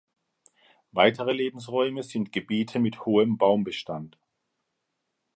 Weitere Lebensräume sind Gebiete mit hohem Baumbestand.